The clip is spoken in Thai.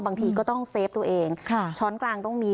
บางทีก็ต้องเซฟตัวเองช้อนกลางต้องมี